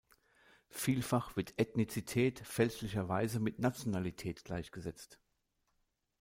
Vielfach wird Ethnizität fälschlicherweise mit Nationalität gleichgesetzt.